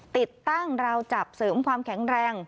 ติดตั้งราวจับเสริมความแข็งแรง